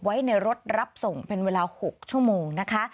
ไว้ในรถรับส่งเป็นเวลา๖ชั่วโมงนะคะ